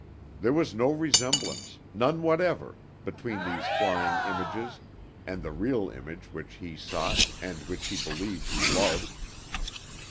There was no resemblance, none whatever, between these flying images and the real image which he sought and which he believed he loved.